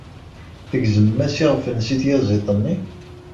Tgezmem-as iɣef-nnes i tyaziḍt-nni.